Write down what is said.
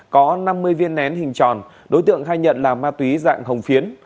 có năm mươi viên nén hình tròn đối tượng khai nhận là ma túy dạng hồng phiến